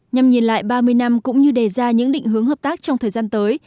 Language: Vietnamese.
nhằm nhìn lại ba mươi năm cũng như đề ra những định hướng hợp tác trong thời gian tới